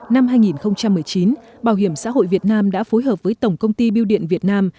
năm hai nghìn một mươi chín bảo hiểm xã hội việt nam đã phối hợp với tổng công ty biêu điện việt nam